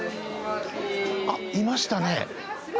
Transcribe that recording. あっいましたね。